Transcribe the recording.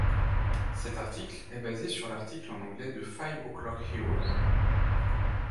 Cet article est basé sur l'article en anglais de Five O'clock heroes.